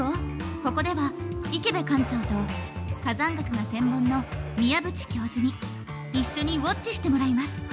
ここでは池辺館長と火山学が専門の宮縁教授に一緒にウォッチしてもらいます。